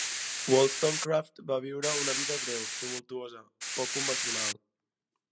Wollstonecraft va viure una vida breu, tumultuosa, poc convencional.